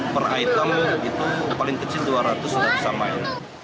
per item itu paling kecil dua ratus sudah bisa main